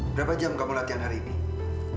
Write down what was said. berapa jam kamu latihan hari ini